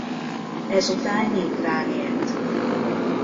Ezután Nyitrán élt.